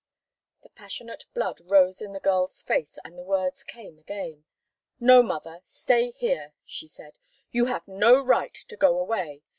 The passionate blood rose in the girl's face and the words came again. "No, mother stay here!" she said. "You have no right to go away.